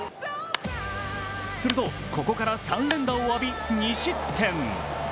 するとここから３連打を浴び２失点。